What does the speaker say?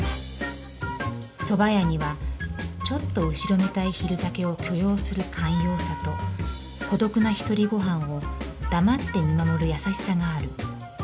蕎麦屋にはちょっと後ろめたい昼酒を許容する寛容さと孤独な一人御飯を黙って見守る優しさがある。